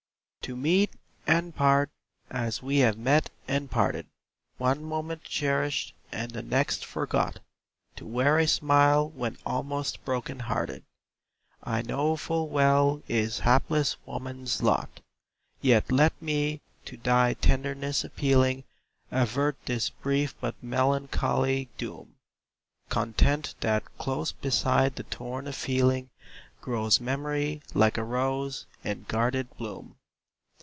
To meet, and part, as we have met and parted, One moment cherished and the next forgot, To wear a smile when almost broken hearted, I know full well is hapless woman's lot; Yet let me, to thy tenderness appealing, Avert this brief but melancholy doom Content that close beside the thorn of feeling, Grows memory, like a rose, in guarded bloom.